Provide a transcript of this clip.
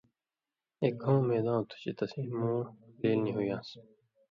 اک گھوں میدؤں تُھو چے تسی مُوں لیل نی ہُویان٘س